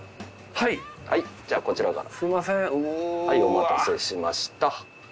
はいお待たせしました。